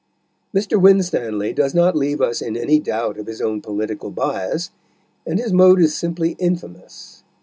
Mr. Winstanley does not leave us in any doubt of his own political bias, and his mode is simply infamous.